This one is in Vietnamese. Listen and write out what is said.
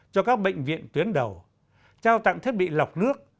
cho các bệnh viện tuyến đầu trao tặng thiết bị lọc nước